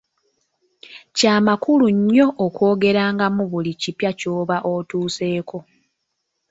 Kya makulu nnyo okwongerangamu buli kipya ky'oba otuseeko.